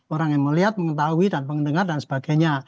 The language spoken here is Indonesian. orang yang melihat mengetahui dan mendengar dan sebagainya